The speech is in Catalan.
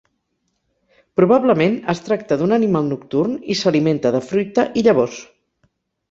Probablement es tracta d'un animal nocturn i s'alimenta de fruita i llavors.